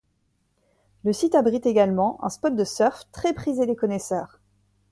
Le site abrite également un spot de surf très prisé des connaisseurs.